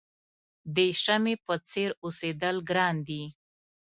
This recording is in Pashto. د شمعې په څېر اوسېدل ګران دي.